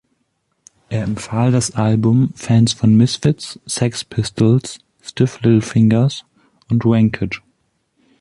Er empfahl das Album Fans von Misfits, Sex Pistols, Stiff Little Fingers und Rancid.